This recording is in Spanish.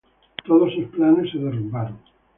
Todos sus planes se derrumbaron.